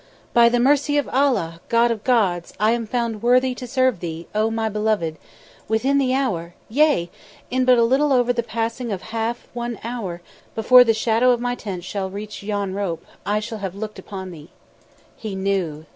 "By the mercy of Allah, God of Gods, I am found worthy to serve thee, O my beloved! Within the hour, yea! in but a little over the passing of half one hour, before the shadow of my tent shall reach yon rope, I shall have looked upon thee." He knew!